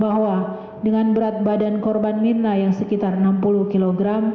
bahwa dengan berat badan korban mirna yang sekitar enam puluh kg